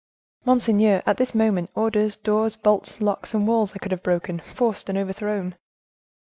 "Monseigneur, at this moment, orders, doors, bolts, locks, and walls I could have broken, forced and overthrown!"